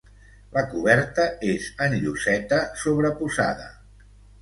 La coberta és en lloseta sobreposada.